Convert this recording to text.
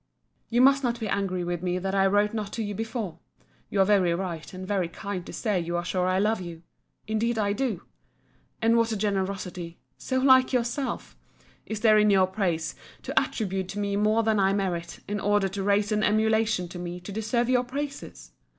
You must not be angry with me that I wrote not to you before. You are very right and very kind to say you are sure I love you. Indeed I do. And what a generosity, [so like yourself!] is there in your praise, to attribute to me more than I merit, in order to raise an emulation to me to deserve your praises!